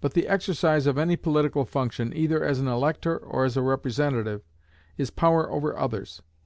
But the exercise of any political function, either as an elector or as a representative, is power over others.